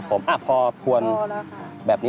เราก็จะวัด